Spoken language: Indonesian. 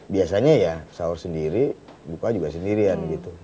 biasanya ya sahur sendiri buka juga sendirian gitu